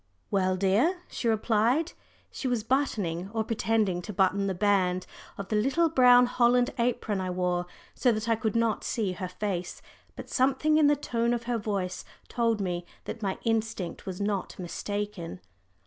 "Well, dear," she replied. She was buttoning, or pretending to button, the band of the little brown holland apron I wore, so that I could not see her face, but something in the tone of her voice told me that my instinct was not mistaken.